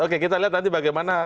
oke kita lihat nanti bagaimana